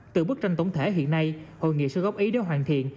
từ bức tranh tổng thể hiện nay hội nghị sẽ góp ý để hoàn thiện